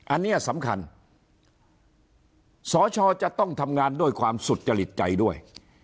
อันนี้สำคัญสชจะต้องทำงานด้วยความสุจริตใจด้วย